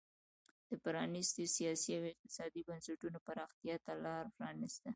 د پرانیستو سیاسي او اقتصادي بنسټونو پراختیا ته لار پرانېسته.